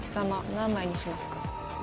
何枚にしますか？